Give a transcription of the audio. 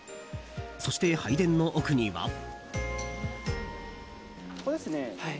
そして拝殿の奥には。